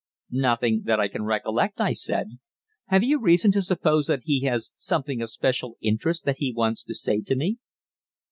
"Nothing that I can recollect," I said. "Have you reason to suppose that he has something of special interest that he wants to say to me?"